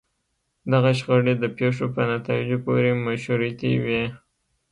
دغه شخړې د پېښو په نتایجو پورې مشروطې وي.